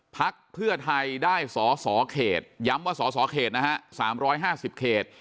พักเพื่อไทยได้สอสอเขตย้ำว่าสสเขตนะฮะ๓๕๐เขต